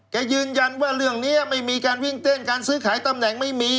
ยืนยันว่าเรื่องนี้ไม่มีการวิ่งเต้นการซื้อขายตำแหน่งไม่มี